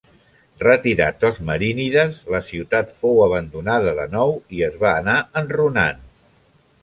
Retirats els marínides, la ciutat fou abandonada de nou i es va anar enrunant.